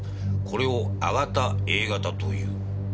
これを「亜型Ａ型」という。